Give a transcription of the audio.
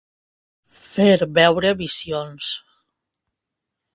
Fer veure visions.